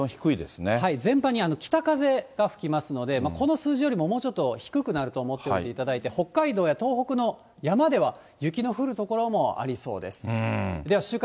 全般に北風が吹きますので、この数字よりも、もうちょっと低くなると思っていただいて、北海道や東北の山では、雪の降る所もありそうです。